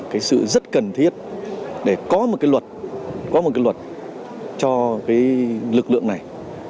cái sự rất cần thiết để có một cái luật có một cái luật cho cái lực lượng này